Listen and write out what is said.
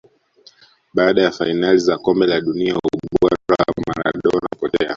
Baada ya fainali za kombe la dunia ubora wa Maradona ulipotea